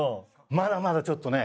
まだまだちょっとね。